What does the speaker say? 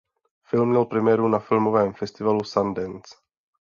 Film měl premiéru na Filmovém festivalu Sundance.